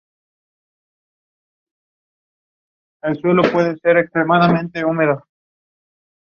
A full moon is shining overhead.